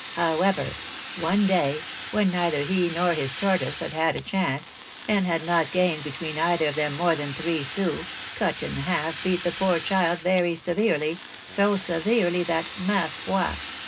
However, one day, when neither he nor his tortoise had had a chance, and had not gained between either of them more than three sous, Cut in Half beat the poor child very severely, so severely that, _ma foi!